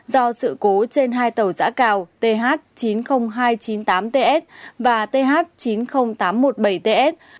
do sự cố trên hai tàu giã cào th chín mươi nghìn hai trăm chín mươi tám ts và th chín mươi nghìn tám trăm một mươi bảy ts